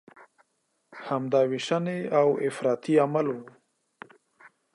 همدا ویشنې او افراطي عمل و.